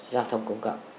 giao thông công cộng